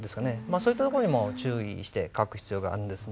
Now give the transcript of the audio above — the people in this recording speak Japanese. そういったところにも注意して書く必要があるんですね。